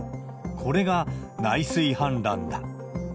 これが、内水氾濫だ。